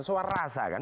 soal rasa kan